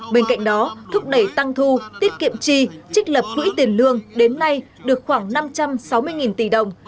bên cạnh đó thúc đẩy tăng thu tiết kiệm chi trích lập quỹ tiền lương đến nay được khoảng năm trăm sáu mươi tỷ đồng